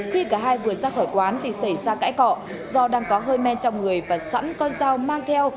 khi cả hai vừa ra khỏi quán thì xảy ra cãi cọ do đang có hơi men trong người và sẵn có dao mang theo